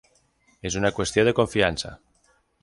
És una qüestió de confiança.